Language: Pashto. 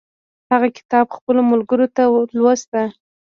هغه کتاب خپلو ملګرو ته لوست.